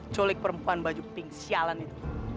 culik perempuan baju pink sialan itu